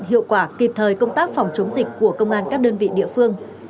hiệu quả kịp thời công tác phòng chống dịch của công an các đơn vị địa phương